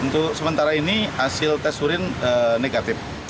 untuk sementara ini hasil tes urin negatif